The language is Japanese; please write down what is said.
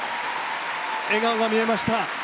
笑顔が見えました。